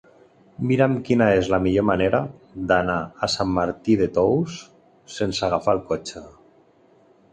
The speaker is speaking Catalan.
Mira'm quina és la millor manera d'anar a Sant Martí de Tous sense agafar el cotxe.